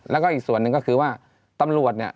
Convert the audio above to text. แล้วก็อีกส่วนหนึ่งก็คือว่าตำรวจเนี่ย